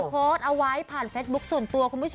โพสต์เอาไว้ผ่านเฟสบุ๊คส่วนตัวคุณผู้ชม